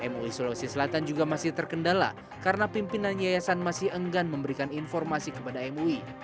mui sulawesi selatan juga masih terkendala karena pimpinan yayasan masih enggan memberikan informasi kepada mui